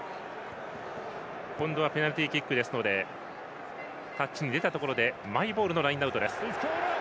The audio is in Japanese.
今度はペナルティーキックですのでタッチに出たところでマイボールのラインアウト。